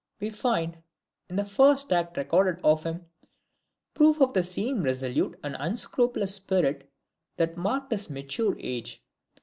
We find, in the first act recorded of him, proof of the same resolute and unscrupulous spirit that marked his mature age.